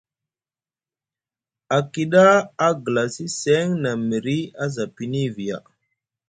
A kiɗa a glasi seŋ nʼa miri a za pini viya.